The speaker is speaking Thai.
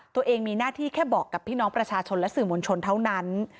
ตัวเองมีหน้าที่แค่บอกกับพี่น้องประชาชนและสื่อมวลชนเท่านั้น